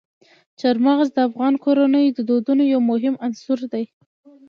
چار مغز د افغان کورنیو د دودونو یو مهم عنصر دی.